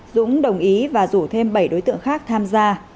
dũng đồng ý và rủ thêm bảy đối tượng khác tham gia